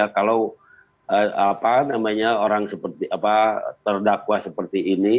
kalau apa namanya orang terdakwa seperti ini